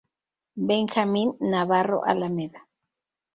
Benjamín Navarro Alameda